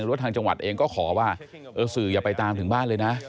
ว่าทางจังหวัดเองก็ขอว่าสื่ออย่าไปตามถึงบ้านเลยนะ